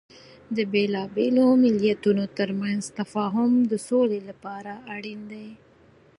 د بیلابیلو مليتونو ترمنځ تفاهم د سولې لپاره اړین دی.